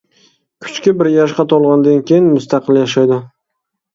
كۈچۈكى بىر ياشقا تولغاندىن كېيىن مۇستەقىل ياشايدۇ.